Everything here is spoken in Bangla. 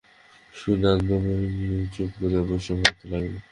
শুনিয়া আনন্দময়ী চুপ করিয়া বসিয়া ভাবিতে লাগিলেন।